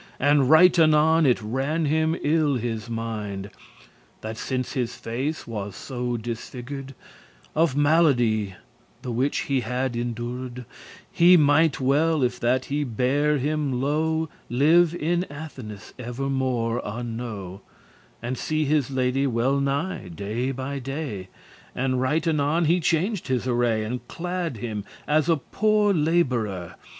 And right anon it ran him ill his mind, That since his face was so disfigur'd Of malady the which he had endur'd, He mighte well, if that he *bare him low,* *lived in lowly fashion* Live in Athenes evermore unknow, And see his lady wellnigh day by day. And right anon he changed his array, And clad him as a poore labourer.